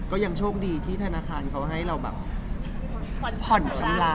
ก็ยังโชคดีที่ธนาคารเขาให้เราแบบผ่อนชำระ